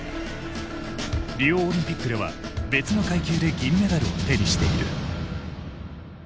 リオオリンピックでは別の階級で銀メダルを手にしている。